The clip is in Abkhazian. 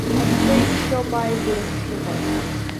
Анцәа иџьшьоуп ааигәара сшыҟаз.